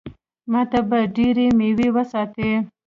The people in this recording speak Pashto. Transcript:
ما ته به ډېرې مېوې وساتي.